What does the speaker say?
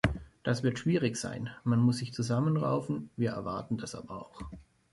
Das wird schwierig sein, man muss sich zusammenraufen, wir erwarten das aber auch.